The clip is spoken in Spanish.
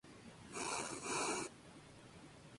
Se dice que se ahogó.